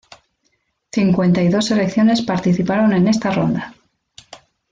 Cincuenta y dos selecciones participaron en esta ronda.